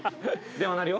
電話鳴るよ。